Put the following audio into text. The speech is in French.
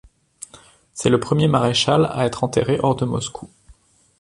C'est le premier maréchal à être enterré hors de Moscou.